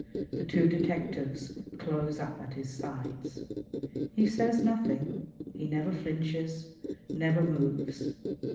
The two detectives close up at his sides. He says nothing; he never flinches, never moves.